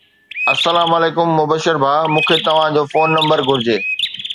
السلام عليڪم مبشر ڀاءُ مون کي توهان جو فون نمبر گهرجي